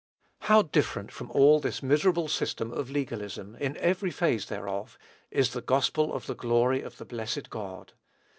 How different from all this miserable system of legalism, in every phase thereof, is "the gospel of the glory of the blessed God!"